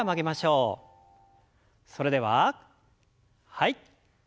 それでははい。